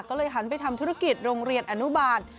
ก็เลยหันไปทำธุรกิจโรงเรียนอนุบาล